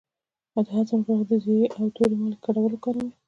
د هضم لپاره د زیرې او تورې مالګې ګډول وکاروئ